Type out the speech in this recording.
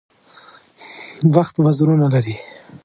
وخت وزرونه لري .